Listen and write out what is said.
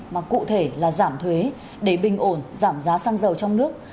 mà cụ thể là giảm thuế để bình ổn giảm giá xăng dầu trong nước